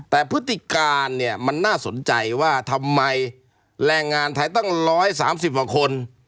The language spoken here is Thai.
แต่พฤติการเนี่ยมันน่าสนใจว่าทำไมแรงงานไทยตั้ง๑๓๐กว่าคน